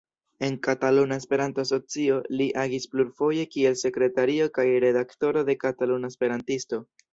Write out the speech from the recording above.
En Kataluna Esperanto-Asocio li agis plurfoje kiel sekretario kaj redaktoro de "Kataluna Esperantisto".